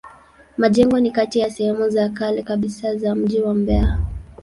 Majengo ni kati ya sehemu za kale kabisa za mji wa Mbeya.